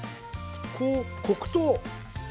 こう黒糖。